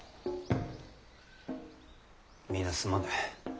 皆すまぬ。